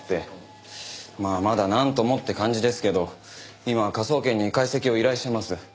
まあまだなんともって感じですけど今科捜研に解析を依頼しています。